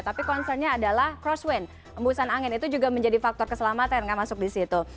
tapi concernnya adalah crosswind embusan angin itu juga menjadi faktor keselamatan kan masuk disitu